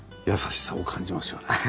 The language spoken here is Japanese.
優しさを感じますよね。